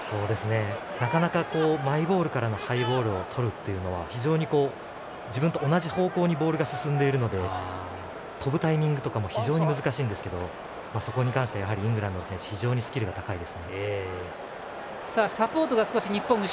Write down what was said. なかなかマイボールからのハイボールをとるのは非常に自分と同じ方向にボールが進んでいるので飛ぶタイミングとかも非常に難しいんですけどそれに関してはイングランドの選手スキルが高いです。